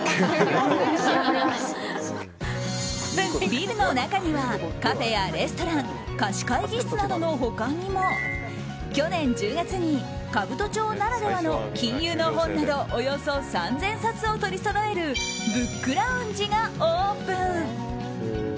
ビルの中にはカフェやレストラン貸し会議室などの他にも去年１０月に兜町ならではの金融の本などおよそ３０００冊を取りそろえるブックラウンジがオープン。